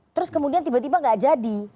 terus kemudian tiba tiba gak jadi